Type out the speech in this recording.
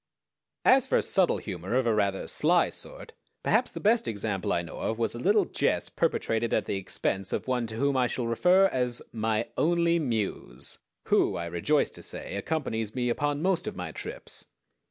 _" As for subtle humor of a rather sly sort, perhaps the best example I know of was a little jest perpetrated at the expense of one to whom I shall refer as my Only Muse, who, I rejoice to say, accompanies me upon most of my trips.